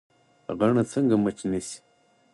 غڼه څنګه مچ نیسي؟